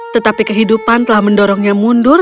tetapi kehidupan telah mendorongnya mundur